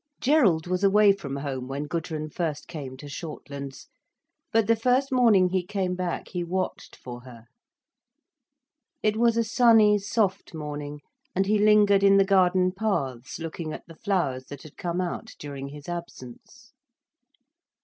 Gerald was away from home when Gudrun first came to Shortlands. But the first morning he came back he watched for her. It was a sunny, soft morning, and he lingered in the garden paths, looking at the flowers that had come out during his absence.